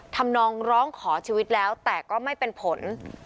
ทำนองร้องขอชีวิตแล้วแต่ก็ไม่เป็นผล